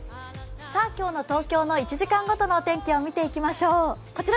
今日の東京の１時間ごとのお天気を見ていきましょう。